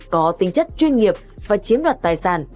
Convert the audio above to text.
có tính chất chuyên nghiệp và chiếm đoạt tài sản